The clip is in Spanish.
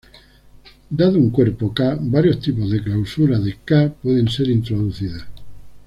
Dado un cuerpo "k", varios tipos de clausura de "k" pueden ser introducidas.